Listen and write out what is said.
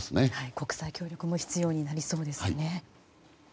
国際協力も必要になりそうですね。